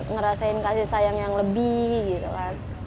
ngerasain kasih sayang yang lebih gitu kan